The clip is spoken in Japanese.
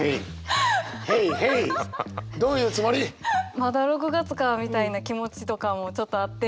まだ６月かみたいな気持ちとかもちょっとあって。